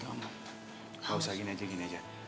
nggak usah gini aja gini aja